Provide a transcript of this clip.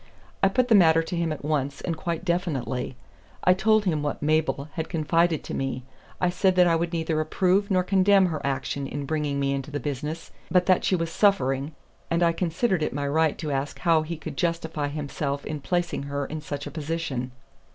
I put the matter to him at once and quite definitely. I told him what Mabel had confided to me. I said that I would neither approve nor condemn her action in bringing me into the business, but that she was suffering, and I considered it my right to ask how he could justify himself in placing her in such a position."